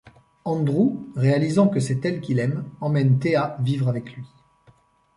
Andrew, réalisant que c'est elle qu'il aime, emmène Thea vivre avec lui.